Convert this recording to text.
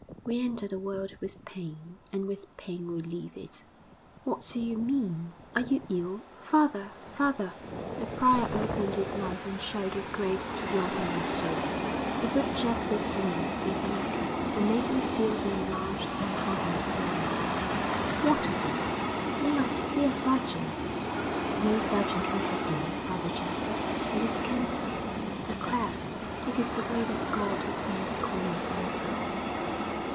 'We enter the world with pain, and with pain we leave it!' 'What do you mean? Are you ill? Father! father!' The prior opened his mouth and showed a great sloughing sore; he put Jasper's fingers to his neck and made him feel the enlarged and hardened glands. 'What is it? You must see a surgeon.' 'No surgeon can help me, Brother Jasper. It is cancer, the Crab it is the way that God has sent to call me to Himself.'